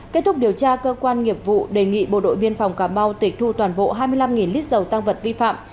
kết thúc điều tra cơ quan nghiệp vụ đề nghị bộ đội biên phòng cà mau tịch thu toàn bộ hai mươi năm lít dầu tăng vật vi phạm